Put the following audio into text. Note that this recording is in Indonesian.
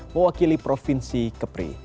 mewakili provinsi kepri